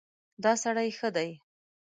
دا سړی ښه دی.